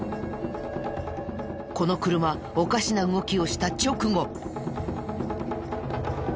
この車おかしな動きをした直後。